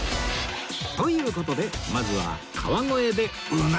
という事でまずは川越でうなぎ